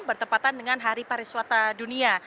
bertepatan dengan hari pariwisata dunia